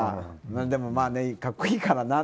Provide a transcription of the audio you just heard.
でも格好いいからな。